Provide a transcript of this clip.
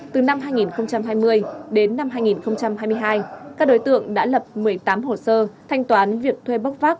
từ năm hai nghìn hai mươi đến năm hai nghìn hai mươi hai các đối tượng đã lập một mươi tám hồ sơ thanh toán việc thuê bốc phát